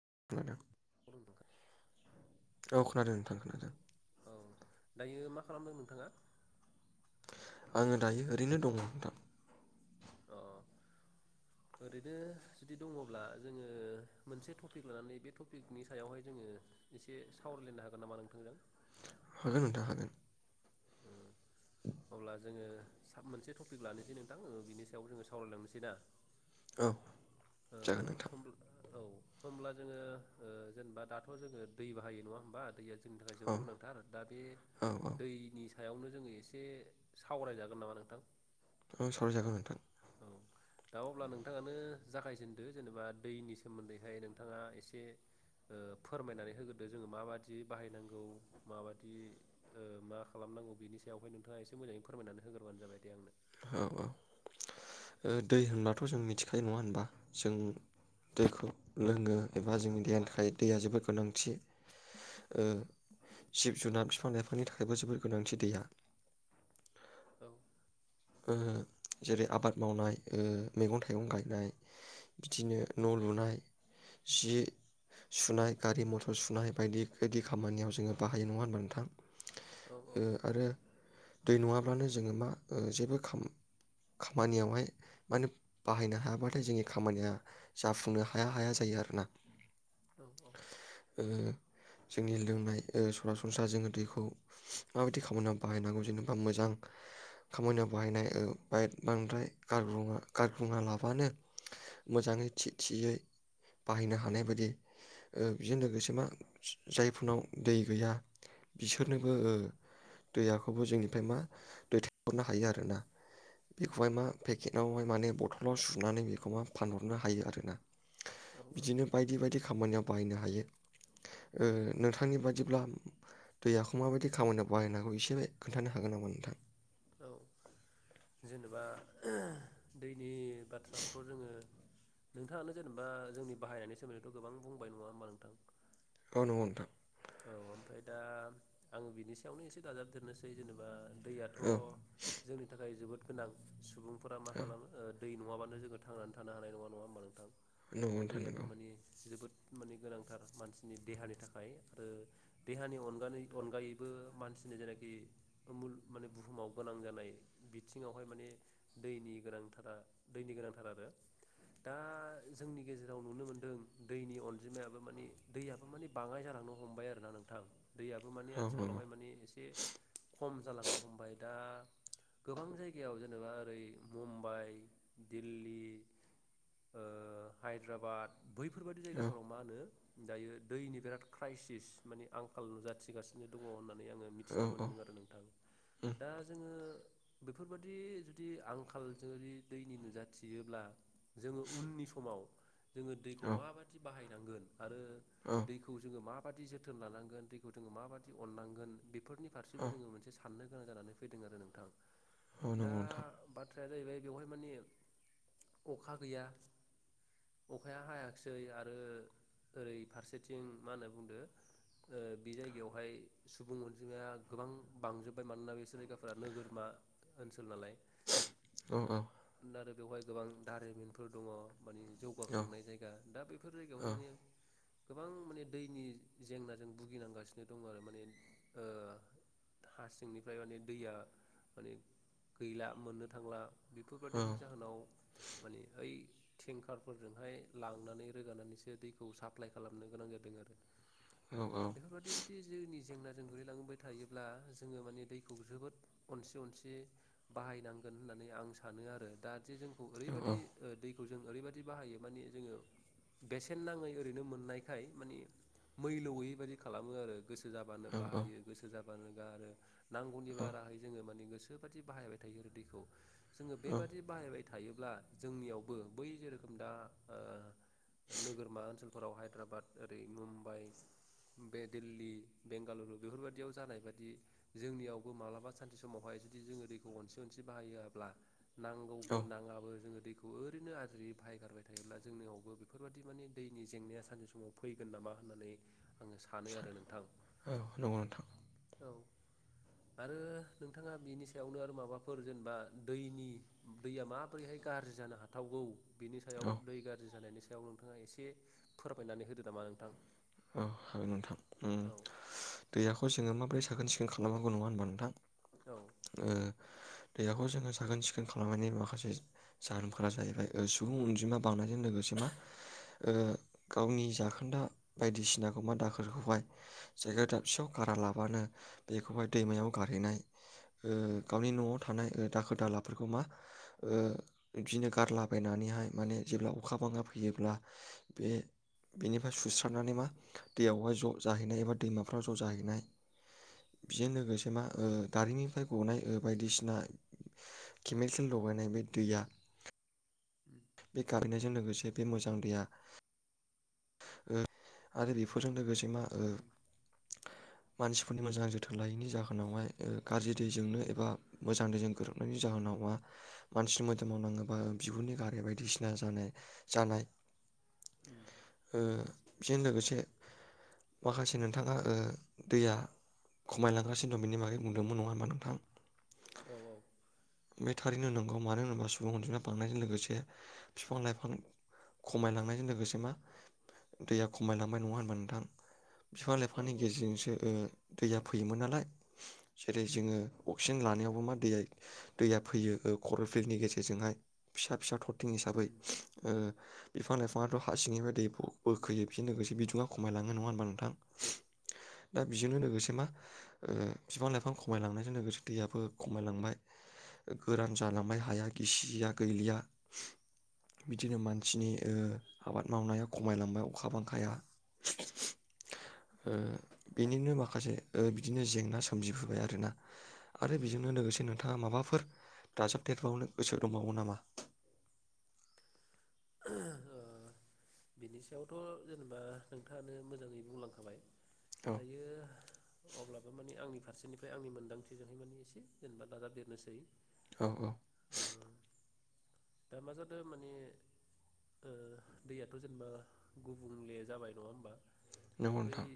[unintelligible] औ औ खोनादों नोंथां खोनादों। औ दायो मा खालामदों नोंथाङा? आङो दायो ओरैनो दङ' नोंथां। अह। ओरैनो जुदि दङ'ब्ला जोङो मोनसे टपिक लानानै बे टपिकनि सायावहाय जोङो एसे सावरायलायनो हागोन नामा नोंथांजों? हागोन नोंथां हागोन। ओ अब्ला जोङो साब मोनसे टपिक लानोसै नोंथां। ओ बिनि सायाव जोङो सावरायलांनोसै ना? औ ओ जागोन नोंथां। होमब्ला औ होमब्ला जोङो ओ जेनेबा दाथ' जोङो दै बाहायो नङा होमबा? दैया जोंनि थाखाय औ जोबोर गोनांथार। दा बे औ औ दै नि सायावनो जोङो एसे सावरायजागोन नामा नोंथां? औ सावराय जागोन नोंथां। औ, दा अब्ला नोंथाङानो जागायजेनदो जेनेबा दैनि सोमोन्दैहाय नोंथाङा एसे ओ‌ फोरमायनानै होग्रोदो जोङो माबादि बाहायनांगौ माबादि ओ मा खालामनांगौ बिनि सायावहाय नोंथाङा एसे मोजाङै फोरमायनानै होगोरोबानो जाबाय दे आंनो। औ औ। ओ दै होनब्लाथ' जों मिथिखायो नङा होनबा? जों दैखौ लोङो एबा जोंनि देहानि थाखाय दैया जोबोर गोनांथि। ओ जिब जुनार बिफां लाइफांनि थाखायबो जोबोर गोनांथि दैया। औ ओ जेरै आबाद मावनाय, ओ मैगं थाइगं गायनाय बिदिनो न' लुनाय, जि सुनाय, गारि मथर सुनाय, बायदि बायदि खामानियाव जोङो बाहायो नङा होनबा नोंथां? औ ओ औ आरो दै नङाब्लानो जोङो मा ओ जेबो खाम खामानियावहाय माने बाहायनो हायाबाथाय जोंनि खामानिया जाफुंनो हाया हाया जायो आरोना। औ औ ओ जोंनि लोंनाय ओ सरासनस्रा जोङो दैखौ माबायदि खामानियाव बाहायनांगौ जेनेबा मोजां खामानियाव बाहायनाय ओ बाय बांद्राय गारग्रुङा गारब्रुङा लाबानो मोजाङै थि थियै बाहायनो हानाय बायदि ओ बेजों लोगोसे मा जायफोरनाव दै गैया उम बिसोरनोबो ओ दैयाखौबो जोंनिफ्राय मा दैथाय हरनो हायो आरो ना? उम बेखौहाय मा फेके त नावहाय माने बथलाव सुनानै बेखौ मा फानहरनो हायो आर ना? औ औ बिदिनो बायदि बायदि खामानियाव बाहायनो हायो। ओ नोंथांनि बादिब्ला दैयाखौ माबायदि खामानियाव बाहायनो हागौ एसे खोन्थानो हागोन नामा नोंथां? औ जेनेबा दैनि बाथ्राखौथ' जोङो नोंथाङानो जेनेबा जोंनि बाहायनायनि सोमोन्दैथ' गोबां बुंबाय नङा होमबा नोंथां औ नंगौ नोंथां औ ओमफ्राय दा आङो बिनि सायावनो एसे दाजाबदेरनोसै जेनेबा दैयाथ' औ जोंनि थाखाय जोबोद गोनां सुबुं फुरा मा नंगौ नोंथां औ खालामो दै नङाबानो जोङो थांनानै थानो हानाय नङा नङा होमबा औ नंगौ नोंथां नोंथां दैयाबो नंगौ मानि जोबोद माने गोनांथार मानसिनि देहानि थाखाय ओ देहानि अनगानै अनगायैबो मानसिनि जेनाखि मुल माने बुहुमाव गोनां जानाय बिथिङावहाय माने दैनि गोनांथारा दैनि गोनांथार आरो दा जोंनि गेजेराव नुनो मोनदों दैनि अनजिमायाबो माने दैयाबो मानि बाङाय जाना दं हमबाय आरोना नोंथां दैयाबो माने औ आथिखालावहाय नंगौ माने एसे खम जालांनो हमबाय दा गोबां जायगायाव जेनेबा ओरै मुम्बाइ दिल्ली हायद्राबाद औ बैफोरबादि जायगाफोराव मा होनो दायो दैनि बिराद क्राइसिस माने आंखाल नुजाथिगासिनो दङ होनना नानै आङो औ औ मिथिनो मोनदों आरो नोंथां उम औ दा जोङो बेफोरबादि जुदि आंखाल जुदि दैनि नुजाथियोब्ला जोङो उननि समाव जोङो दैखौ माबादि बाहाय नांगोन आरो औ दैखौ माबादि जोथोन लानांगोन दैखौ जोङो माबादि अननांगोन बेफोर नि फारसेबो जोङो मोनसे सा साननो गोनां जानानै फैदों आरो नोंथां। औ दा बाथ थ्राया जाहैबाय बेवहाय माने अखा गैया अखाया हायाखिसै आरो ओरै फारसेथिं मा होनना बुंदो बे जायगायावहाय सुबुं अनजिमाया गोबां बांजोब्बाय मानोना बिसोर जायगाफोरा नोगोरमा ओनसोल नालाय। औ औ आरो बेवहाय गोबां दारिमिनफोर दङ। मानि औ जौगाखांनाय जायगा दा बेफोर जायगायावहाय माने गोबां माने दैनि जेंनाजों भुगिनांगासिनो दं आरो माने ओ हा सिंनिफ्राय माने दैया माने गैला मोननो थांला। बेफोरबादिनि जाहोनाव माने ओइ टेंकारफोरजोंहाय लांनानै रोगानानैसो दैखौ साप्लाय खालामनो गोनां जादों आरो। बेफोरबादि जुदि जोंनि जेंना जों गोग्लैलांबाय थायोब्ला जोङो माने दैखौ जोबोद अनसि अनसि बाहायनांगोन होननानै आं सानो आरो दा जे जोंखौ ओरैबायदि ओ दै खौ जों ओरैबादि बाहायो माने जोङो बेसेन नाङै ओरैनो मोननायखाय माने मैलु गोयैबायदि खालामो आरो। गोसो जाबानो औ बाहायो गोसो जाब बानो गारो। नांगौनि बाराहाय जोङो माने‌ गोसोबादि बाहायबाय थायो आरो दैखौ। जोङो औ बेबादि बाहायबाय थायोब्ला जोंनियावबो बै जेरोखोम दा ओ नोगोरमा ओनसोलफोराव हायद्राबाद ओरै मुम बाइ बे दिल्ली बेंगालुरु बेफोरबादियाव जानायबादि जोंनियावबो माब्लाबा सानसे समावहाय जुदि जोङो दैखौ अनसि अनसि बाहायाब्ला नांगौबो औ नाङाबो जोङो दै खौ ओरैनो आद्रि बाहायगारबाय थायोब्ला जोंनियावबो बेफोरबादि माने दैनि जेंनाया सानसे समाव फैगोन नामा होननानै आङो आरो सानो नोंथां औ औ नंगौ नोंथां। औ आरो नोंथाङा बेनि सायावनो आरो माबाफोर जेनेबा दैनि दैया माबोरैहाय गाज्रि जानो हाथावगौ बिनि सायाव औ दै गाज्रि जानायनि सा याव नोंथाङा एसे फोरमायनानै होदो नामा नोंथां। औ हागोन नोंथां उम औ दैयाखौ जोङो मा ब्रै साखोन सिखोन खालामांगौ नङा होनबा नोंथां? औ ओ। दैयाखौ जोङो साखोन सिखोन खालामनायनि माखासे जाहोनफोरा जाहैबाय सुबुं अनजिमा बांनायजों लोगोसे मा गावनि जाखोन्दा। बायदिसिनाखौ मा दाखोरखौहाय। उम जायगायाव दाबसेयाव खारा लामा। बानो। बेखौहाय उम दैमायाव गारहैनाय ओ उम गावनि न'आव थानाय। दाखोर दालाफोरखौ मा ओ बिदिनो गारलाबायनानैहाय माने जेब्ला अखा बाङा फैयोब्ला बे बेनिफ्राय सुस्रा। नानै मा दैयावहाय ज' जाहैनाय एबा दैमाफ्राव ज' जाहैनाय बेजोंनो। लोगोसे मा औ दारिमिननिफ्राय। गनाय ओ बायदिसिना केमिकेल लगायनाय बे दैया। उम बे गारनायजों लोगोसे बे मोजां दैया। आरो बेफोरजों लोगोसे मा उम मानसिफोरनि मोजां जोथोन लायैनि जाहोनावहाय गाज्रि दैजोंनो एबा मोजां दैजों गोरोबनायनि जाहोनाव मा मानसिनि मोदोम मावनाङोबा बिबुरनि गारि बायदिसिना जानाय जानाय। उम। ओ उम बेजों लोगोसे। माखासे नोंथाङा दैया खमायलांगासिनो दं बेनि बागै बुंदोंमोन नङा होमबा नोंथां। औ औ। बे थारैनो नांगौ मानो होनोब्ला सुबुं अनजिमाया बांनायजों लोगोसे बिफां लाइफां खमायलांनायजों लोगोसे मा दैया खमायलांबाय नङा होनबा नोंथां बिफां औ लाइफांनि गेजेरजोंसोओ दैया फैयोमोन नालाय जेरै जोङो अक्सिजेन लानायावबो मा दैया दैया फैयो खरलफिल्डनि गेजेरजोंहाय फिसा फिसा थर बिथिं हिसाबै उम ओ बिफां लाइफाङाथ' हसिंफ्राय दैफौ औ बोखोयो बिजों लोगोसे बिदङाव खमायलाङो नङा होमबा नोंथां दा बेजोंनो लोगोसे मा ओ बिफां लाइफां खमायलांनायजों लोगोसे दैयाबो खमायलांबाय गोरान जालांबाय हाया गिसिया गैलिया बिदिनो मानसिनि ओ‌‌ आबाद मावनायाव खमायलांबाय अखा बांखाया ओ उम बिनिनो माखासे ओ बिदिनो जेंना सोमजिबोबाय आरोोना आरो बेजोंनो औ लोगोसे ओ नोंथाङा माबाफोर दाजाबदेरबावनो गोसो दंबावो नामा ओ बिनि सायावथ' जेनेबा नोंथाङानो मोजाङै बुंलांखाबाय औ दायो अब्लाबो माने आंनिफ्राय फारसेनिफ्राय आंनि मोनदांथिजोंहाय माने एसे जेनेबा नाजाबदेरनोसै औ औ दा मा जादो‌ माने ओ दैयाथ' जेनेबा गुबुंले जाबाय नङा होमबा नंगौ बै नोंथां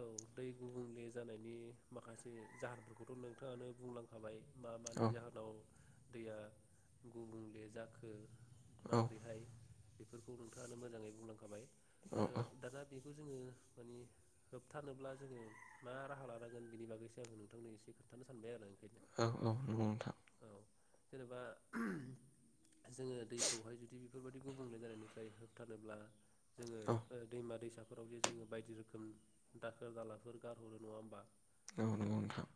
औ दै गुबुंले जानायनि माखासे जाहोनफोरखौथ' नोंथाङानो बुंलांखाबाय मा औ मानि जाहोनाव दैया गुबुंले जाखो औ माबोरैहाय बेफोरखौ नोंथाङानो मोजाङै बुंलांखाबाय औ आरो दना बि खो जोङो मानि होबथानोब्ला जोङो मा राहा लानांगोन बिनि बागैसो आङो नोंथांनो एसे खोन्थानो सानबाय आरो ओंखायनो औ औ नंगौ नोंथां औ जेनेबा जोङो दै दैखौहाय जुदि बेफोरबायदि गुबुंले जानायनिफ्राय होबथानोब्ला जोङो औ ओ दैमा दैसा फोराव जे जोङो बायदि रोखोम दाखोर दालाफोर गारहरो नङा होमबा औ नोंगौ नोंथां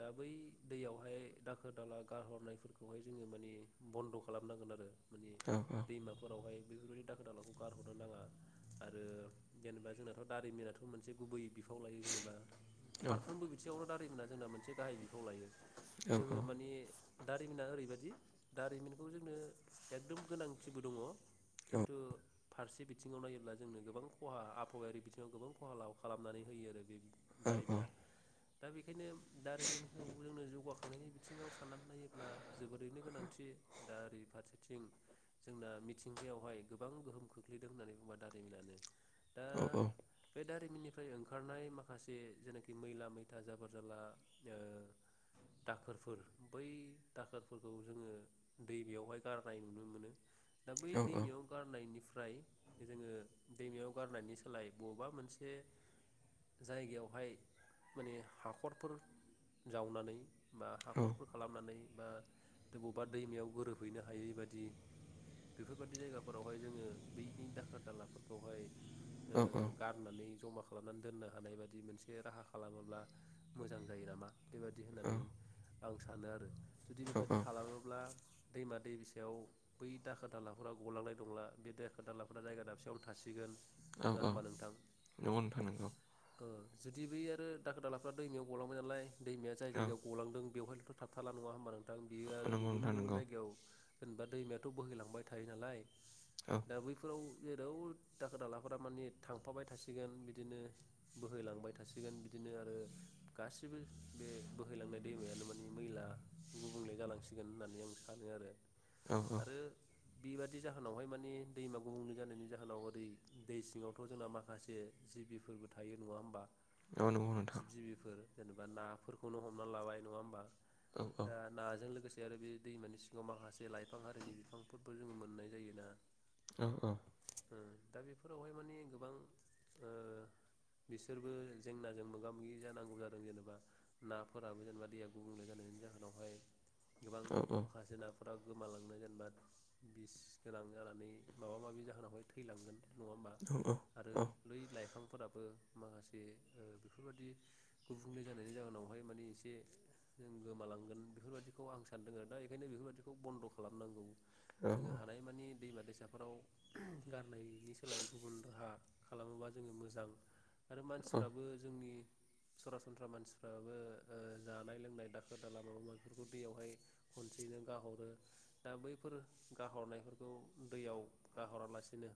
दा बै दैयावहाय दाखोर दाला गारहरनायफोरखौहाय जोङो मानि‌ बन्द' खालामनांगोन आरो माने औ औ दैमाफोरावहाय बेफोरबायदि दाखोर दालाखौ गारहरनो नाङा आरो जेनेबा जोंनाथ' दारिमिनाथ' मोनसे गुबै बिफाव लायो जेनेबा औ फारफ्रोमबो बिथिङावनो दा मोना जोंना मोनसे गाहाय बिफाव लायो जोङो माने दारिमिना ओरैबायदि दारिमिनखौ जोंनो एकदम गोनांथिबो दङ खिन्थु फारसे बिथिङाव नायोब्ला जोंनो गोबां खहा आबहावायारि बिथिङाव गोबां खहा खालामनानै होयो आरो बे औ औ औ दारिमिना। दा बेखायनो दारिमिनखौ जोंनो जौगाखांनायनि बिथिङाव साननानै नायोब्ला जोबोरैनो गोनांथि दा ओरै फारसे थिं जोंना मिथिंगायावहाय गोबां गोहोम खोख्लैदों होननानै बुंङा दारिमिनानो। दा औ औ बे दारिमिननिफ्राय ओंखारनाय माखासे जेनाखि मैला मैथा जाबोर जाला दाखोरफोर बै दाखोरफोरखौ जोङो दै बेयावहाय गारनाय नुनो मोनो। दा बै दैमायाव गारनायनि फ्राय जोङो दैमायाव गारनायनि सोलाय बबेबा मोनसे जायगायावहाय माने हाखरफोर जावनानै बा हाखरफोर खालामनानै बा बबेबा दैमायाव गोरोब हैनो हायै बादि बेफोरबायदि जायगाफोरावहाय जोङो बैनि दाखोर दालाफोरखौहाय ओ गारनानै जमा खालामनानै दोननो हानाय बादि मोनसे राहा खालामोब्ला मोजां जायो नामा बेबादि होननानै आं सानो आरो। जुदि बेबादि खालामोब्ला दैमा दैसायाव बै दाखोर दालाफोरा गलांनाय नंला बे दाखोर दालाफोरा जायगा दाबसेयावनो थासिगोन। नङा ओं-ओं होमबा नोंथां नंगौ नोंथां नंगौ। ओ जुदि बै आरो दाखोर दालाफ्रा दैमायाव गलांबाय नालाय दैमाया जाय औ जायगायाव गलांदों बेवहाय थ'थाबथाला नङा होमबा नों थां बियो आरो नंगौ नोंथां गुबुन-गुबुन नंगौ औ जेनेबा दैमायाथ' बोहैलांबाय थायो नालाय औ दा बैफोराव जेराव दाखोर दालाफोरा माने थांफाबाय थासिगोन बिदिनो बोहैलांबाय थासिगोन बिदिनो आरो गासिबो बे बोहैलांनाय दैमायानो माने मैला गुबुंले जालांसिगोन होननानै आं सा हानो आरो। औ औ आरो बेबादि जाहोनावहाय माने दैमा गुबुंले जानायनि जाहोनाव ओरै दै सिङावथ' जोंना माखासे जिबिफोरबो थायो नङा होमबा? औ नंगौ नोंथां जिब जिबिफोर जेनेबा नाफोरखौनो हमना लाबाय नङा होमबा? औ औ दा नाजों लोगोसे केे आरो बिथ दैमानि सिङाव माखास जे लाइफां हारिनि बिफांफोर फोर जोङो मोननाय जायोना ओं औ ओ दा बेफोरावहाय मानि गोबां ओ बिसोरबो जेंनाजों मोगा मोगि जानांगौ जादों जेनेबा नाफोराबो जेनेबा दैया गुबुंले जानायनि जाहोनावहाय औ औ। सासे नाफोरा गोमालांनो जेनेबा बिस गोनां जानानै माबा माबि जाहोनावहाय थैलांगोन नङा होमबा औ आरो लै लाइफां फोराबो माखासे ओ बेफोरबायदि गुबुंले जानायनि जाहोनावहाय माने एसे जो गोमालांगोन बेफोरबायदिखौ आं सानदों आ दा। ओंखायनो बेफोरबादिखौ बन्द' खालामनांगौ। औ जोङो हानाय मानि। दैमा दैसाफोराव गारनायनि सोलायै गुबुन राहा खालामोबा जोङो मोजां। आरो औ मानसिफ्राबो जोंनि सरासनस्रा मानसिफ्राबो ओ जानाय लोंनाय दाखोर दाला माबा माबि बेफोरखौ दैयावहाय खनसेयैनो गाहरो दा बैफोर गाहरनायफोरखौ दैयाव गाहरालासिनो